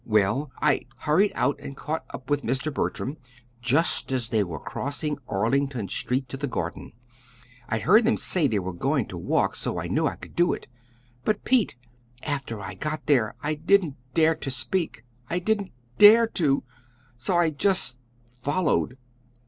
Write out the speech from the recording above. Well, I hurried out and caught up with Mr. Bertram just as they were crossing Arlington Street to the Garden. I'd heard them say they were going to walk, so I knew I could do it. But, Pete, after I got there, I didn't dare to speak I didn't DARE to! So I just followed.